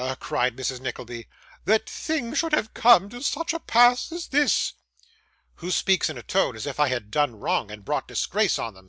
cried Mrs. Nickleby, 'that things should have come to such a pass as this!' 'Who speaks in a tone, as if I had done wrong, and brought disgrace on them?